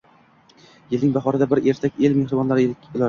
Yilning bahorida bir etak “el mehribonlari ular